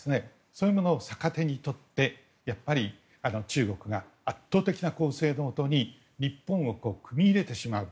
そういうものを逆手にとってやっぱり中国が圧倒的な攻勢のもとに日本を組み入れてしまう。